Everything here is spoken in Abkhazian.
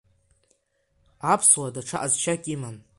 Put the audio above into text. Аԥсуа даҽа ҟазшьак иман…